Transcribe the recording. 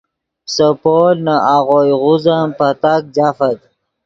سے پول نے آغوئے غوزن پتاک جافت